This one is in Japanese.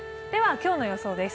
今日の予想です。